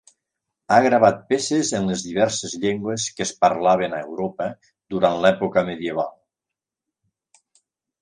Ha gravat peces en les diverses llengües que es parlaven a Europa durant l'època medieval.